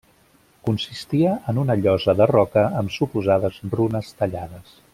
Consistia en una llosa de roca amb suposades runes tallades.